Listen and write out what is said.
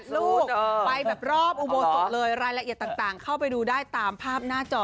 ลูกไปแบบรอบอุโบสถเลยรายละเอียดต่างเข้าไปดูได้ตามภาพหน้าจอ